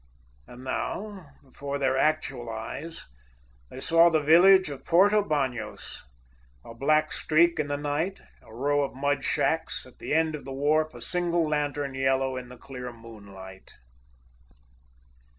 And now, before their actual eyes, they saw the village of Porto Banos, a black streak in the night, a row of mud shacks, at the end of the wharf a single lantern yellow in the clear moonlight.